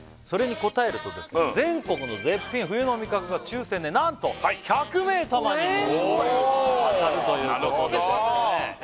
それに答えるとですね全国の絶品冬の味覚が抽選で何と１００名様に当たるということでですね